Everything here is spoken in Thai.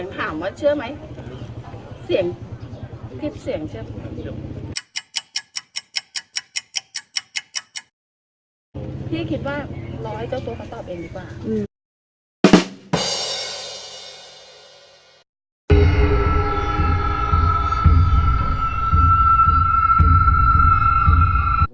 พี่คิดว่ารอให้เจ้าตัวเขาตอบเองดีกว่า